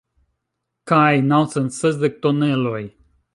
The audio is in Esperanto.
Kaj naŭcent sesdek toneloj.